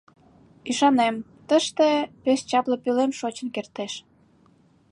— Ӱшанем, тыште... пеш чапле пӧлем шочын кертеш.